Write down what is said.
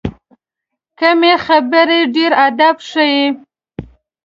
کمې خبرې، ډېر ادب ښیي.